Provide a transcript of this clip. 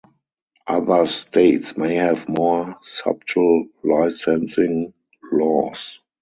Other states may have more subtle licensing laws.